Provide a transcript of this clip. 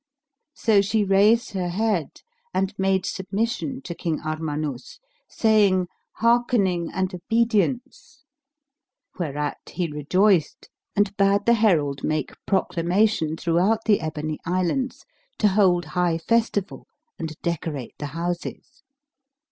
So she raised her head and made submission to King Armanus, saying, "Hearkening and obedience!"; whereat he rejoiced and bade the herald make proclamation throughout the Ebony Islands to hold high festival and decorate the houses.